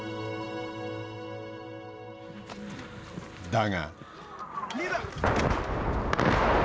だが。